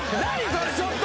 それちょっと！